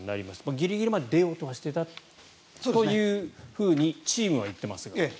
ギリギリまで出ようとはしていたというふうにチームは言ってます。